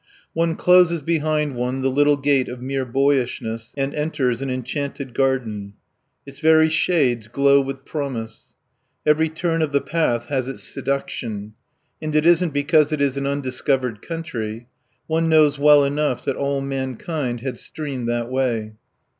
One closes behind one the little gate of mere boyishness and enters an enchanted garden. Its very shades glow with promise. Every turn of the path has its seduction. And it isn't because it is an undiscovered country. One knows well enough that all mankind had streamed that way.